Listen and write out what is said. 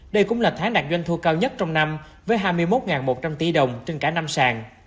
đây cũng là tháng đạt doanh thu cao nhất trong năm với hai mươi một một trăm linh tỷ đồng trên cả năm sàn